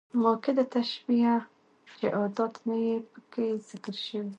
مؤکده تشبيه، چي ادات نه يي پکښي ذکر سوي.